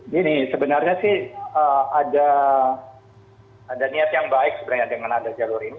jadi sebenarnya sih ada niat yang baik sebenarnya dengan ada jalur ini